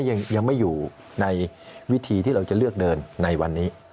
ยังไม่อยู่ในวิธีที่เราจะเลือกเดินในวันนี้